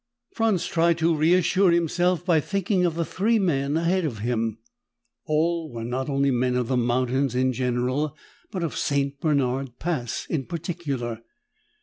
Franz tried to reassure himself by thinking of the three men ahead of him. All were not only men of the mountains in general, but of St. Bernard Pass in particular.